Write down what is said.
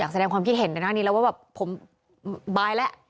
แสดงความคิดเห็นในหน้านี้แล้วว่าแบบผมบายแล้ว